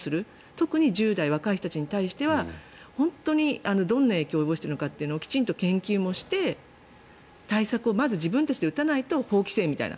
特に１０代若い人たちに対してはどんな影響を及ぼしているのかをきちんと研究もして対策をまず自分たちで打たないと法規制みたいな。